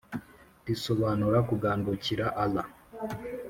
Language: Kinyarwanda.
risobanura “kugandukira” allah,